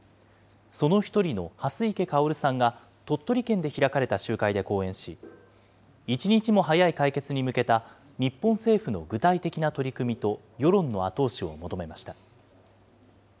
その１人の蓮池薫さんが鳥取県で開かれた集会で講演し、一日も早い解決に向けた日本政府の具体的な取り組みと世論の後押しを求めました。